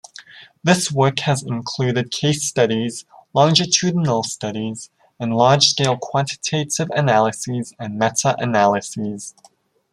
This work has included case studies, longitudinal studies, and large-scale quantitative analyses and meta-analyses.